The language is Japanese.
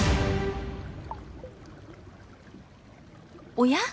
おや？